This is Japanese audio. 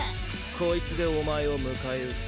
コイツでお前を迎え撃つ。